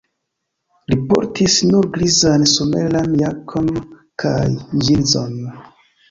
Li portis nur grizan someran jakon kaj ĝinzon.